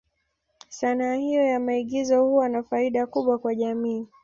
Sanaa hiyo ya maigizo huwa na faida kubwa kwa jamii.